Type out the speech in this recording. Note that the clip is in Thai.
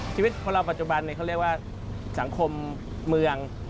ชีวิตคนเราปัจจุบันเขาเรียกว่าสังคมเมือง